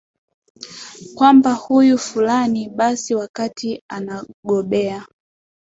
kwamba huyu fulani basi wakati anagobea